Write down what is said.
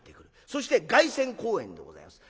そして凱旋公演でございます。